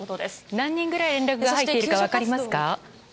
何人くらい連絡が入っているか分かりますか？